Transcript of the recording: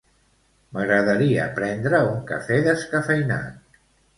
M'agradaria prendre un cafè descafeïnat.